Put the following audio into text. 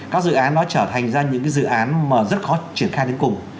các dự án nó trở thành ra những dự án mà rất khó triển khai đến cùng